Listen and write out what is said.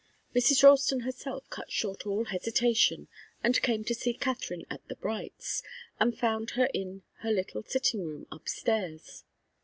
Mrs. Ralston herself cut short all hesitation and came to see Katharine at the Brights', and found her in her little sitting room upstairs.